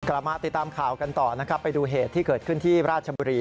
กลับมาติดตามข่าวกันต่อนะครับไปดูเหตุที่เกิดขึ้นที่ราชบุรี